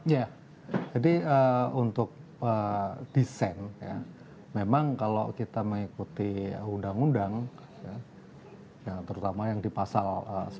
ya jadi untuk desain ya memang kalau kita mengikuti undang undang terutama yang di pasal sepuluh